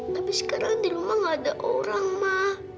tapi sekarang di rumah gak ada orang mah